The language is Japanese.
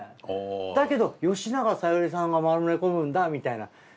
だけど吉永小百合さんが丸め込むんだみたいな。